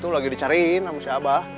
lagi dicariin sama si aba